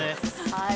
はい。